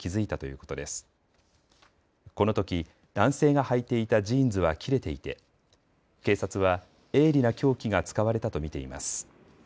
このとき男性がはいていたジーンズは切れていて警察は鋭利な凶器が使われたと見ています。